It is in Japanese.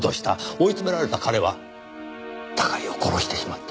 追い詰められた彼は高井を殺してしまった。